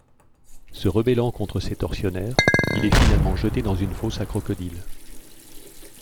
Se rebellant contre ses tortionnaires, il est finalement jeté dans une fosse à crocodile.